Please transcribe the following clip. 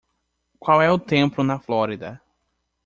Qual é o tempo na Flórida?